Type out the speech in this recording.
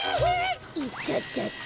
いたたた。